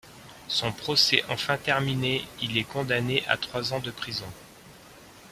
Son procès enfin terminé, il est condamné à trois ans de prison.